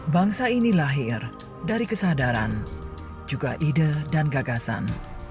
bangsa ini lahir dari kesadaran juga ide dan gagasan